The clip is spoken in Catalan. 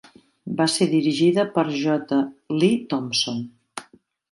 Va ser dirigida per J. Lee Thompson.